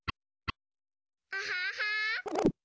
アハハ！